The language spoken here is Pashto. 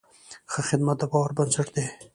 ښه خدمت د باور بنسټ دی.